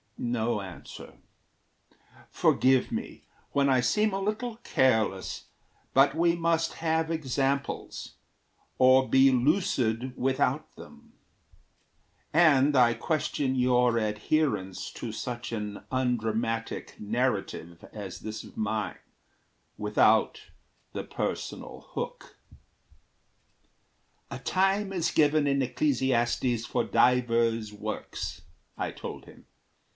No answer. Forgive me when I seem a little careless, But we must have examples, or be lucid Without them; and I question your adherence To such an undramatic narrative As this of mine, without the personal hook." "A time is given in Ecclesiastes For divers works," I told him.